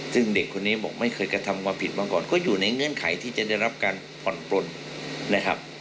ซึ่งเด็กคนนี้บอกไม่เคยกระทำความผิดมาก่อนก็อยู่ในเงื่อนไขที่จะได้รับการผ่อนปลนนะครับ